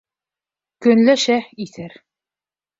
Көнләшә, иҫәр.